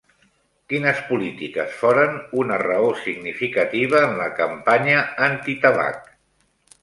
Quines polítiques foren una raó significativa en la campanya antitabac?